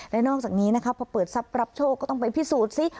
และนอกจากนี้นะคะพอเปิดทรัพย์รับโชคก็ต้องไปพิสูจน์ซิ